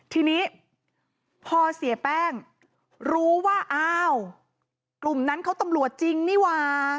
ทีนี้พอเสียแป้งรู้ว่าอ้าวกลุ่มนั้นเขาตำรวจจริงนี่ว่า